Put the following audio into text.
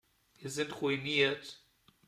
Wir sind ruiniert.